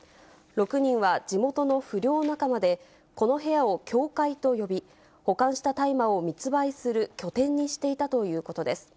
６人は地元の不良仲間で、この部屋を教会と呼び、保管した大麻を密売する拠点にしていたということです。